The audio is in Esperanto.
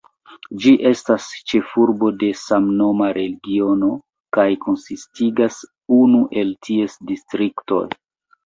Ĝi estas ĉefurbo de samnoma regiono kaj konsistigas unu el ties distriktoj.